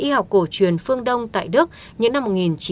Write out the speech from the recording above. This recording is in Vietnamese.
y học cổ truyền phương đông tại đức những năm một nghìn chín trăm bảy mươi